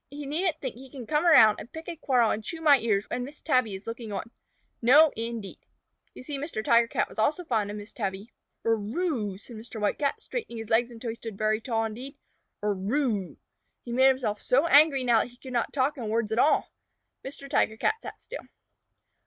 He needn't think he can come around and pick a quarrel and chew my ears when Miss Tabby is looking on. No indeed." You see Mr. Tiger Cat was also fond of Miss Tabby. "Er roo!" said Mr. White Cat, straightening his legs until he stood very tall indeed. "Er roo!" He had made himself so angry now that he could not talk in words at all. Mr. Tiger Cat sat still.